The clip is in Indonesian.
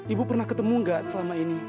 ibu pernah ketemu nggak selama ini